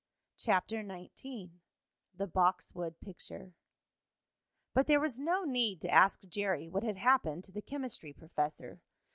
CHAPTER XIX THE BOXWOOD PICTURE But there was no need to ask Jerry what had happened to the chemistry professor.